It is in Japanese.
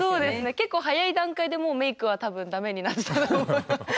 結構早い段階でもうメイクは多分駄目になってたと思う。